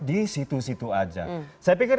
di situ situ aja saya pikir